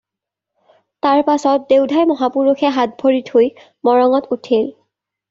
তাৰ পাছত দেওধাই মহাপুৰুষে হাত-ভৰি ধুই মৰঙত উঠিল।